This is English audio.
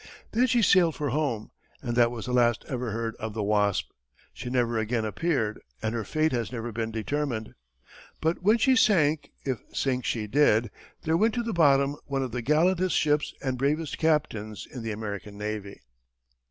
Then she sailed for home, and that was the last ever heard of the Wasp. She never again appeared, and her fate has never been determined. But when she sank, if sink she did, there went to the bottom one of the gallantest ships and bravest captains in the American navy.